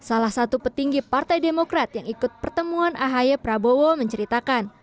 salah satu petinggi partai demokrat yang ikut pertemuan ahy prabowo menceritakan